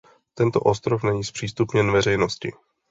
Tento ostrov není zpřístupněn veřejnosti.